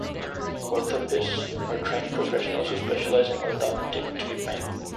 Orthoptists are trained professionals who specialize in orthoptic treatment.